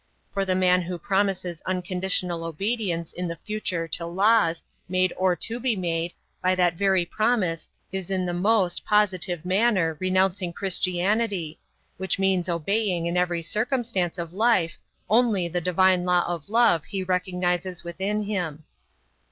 For the man who promises unconditional obedience in the future to laws, made or to be made, by that very promise is in the most, positive manner renouncing Christianity, which means obeying in every circumstance of life only the divine law of love he recognizes within him.